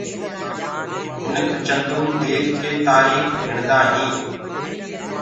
منک چندرو ديک ڪي تآريٚک گُڻدآ هينٚ